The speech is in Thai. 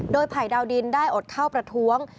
โดยไผ่ดาวดินได้อดเข้าประท้วง